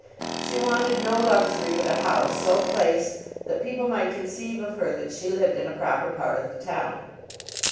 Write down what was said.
She wanted no luxury but a house so placed that people might conceive of her that she lived in a proper part of the town.